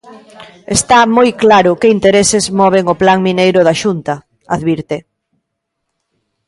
"Está moi claro que intereses moven o plan mineiro da Xunta", advirte.